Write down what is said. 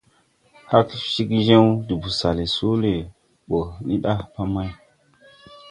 Hag cegyěw de busal Soole ɓɔ ni ɗa pa may.